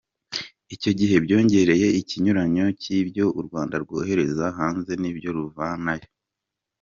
Icyo gihe byongereye ikinyuranyo cy’ibyo u Rwanda rwohereza hanze n’ibyo ruvanayo.